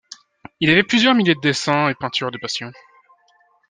Il avait plusieurs milliers de dessins et peintures de patients.